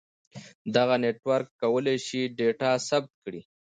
دغه نیټورک کولای شي ډاټا ثبت کړي.